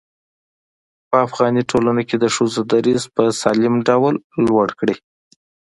په افغاني ټولنه کې د ښځو دريځ په سالم ډول لوړ کړي.